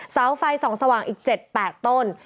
เสาไฟส่องสว่างอีก๗๘ต้น